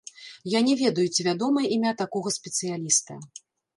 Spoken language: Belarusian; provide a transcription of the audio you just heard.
Я не ведаю, ці вядомае імя такога спецыяліста.